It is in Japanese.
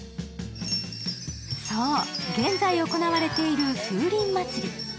そう、現在行われている風鈴祭り。